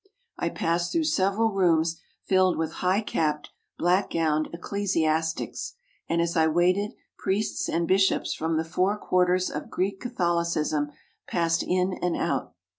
I passed through several rooms filled with high capped, black gowned ecclesiastics, and as I waited priests and bishops from the four quarters of Greek Catholicism passed in and out.